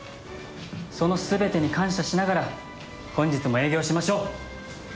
そのすべてに感謝しながら本日も営業しましょう。